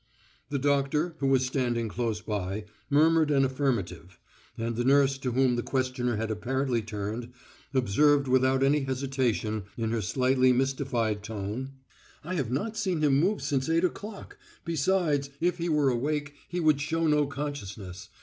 The doctor, who was standing close by, murmured an affirmative, and the nurse to whom the questioner had apparently turned, observed without any hesitation in her slightly mystified tone: "I have not seen him move since eight o'clock; besides, if he were awake, he would show no consciousness.